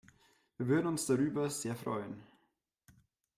Wir würden uns darüber sehr freuen!